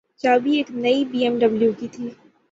چابی ایک نئی بی ایم ڈبلیو کی تھی۔